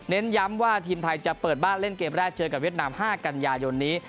ย้ำว่าทีมไทยจะเปิดบ้านเล่นเกมแรกเจอกับเวียดนาม๕กันยายนนี้